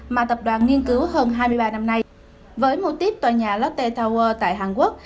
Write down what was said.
mà tập đoàn nghiên cứu hơn hai mươi ba năm nay với mô típ tòa nhà lotte tower tại hàn quốc